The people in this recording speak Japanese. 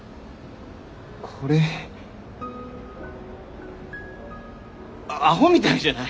これアホみたいじゃない？